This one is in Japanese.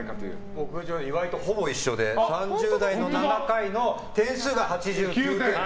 僕、岩井とほぼ一緒で３０代の７回の点数が８９点。